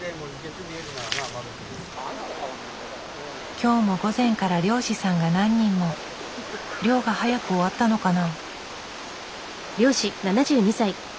今日も午前から漁師さんが何人も。漁が早く終わったのかな？